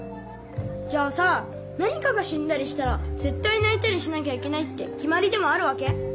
じゃあさ何かがしんだりしたらぜったいないたりしなきゃいけないってきまりでもあるわけ？